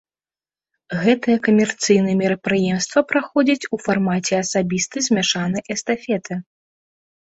Гэтае камерцыйнае мерапрыемства праходзіць у фармаце асабістай змяшанай эстафеты.